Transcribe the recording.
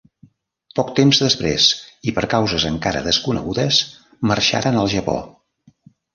Pot temps després, i per causes encara desconegudes, marxaren al Japó.